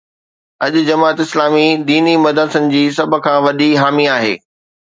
اڄ جماعت اسلامي ديني مدرسن جي سڀ کان وڏي حامي آهي.